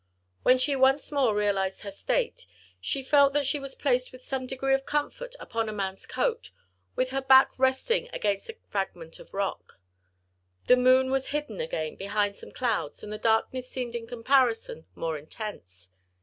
When she once more realised her state, she felt that she was placed with some degree of comfort upon a man's coat, with her back resting against a fragment of rock. The moon was hidden again behind some clouds, and the darkness seemed in comparison more intense.